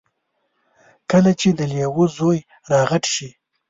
کله چې د لیوه زوی را غټ شي.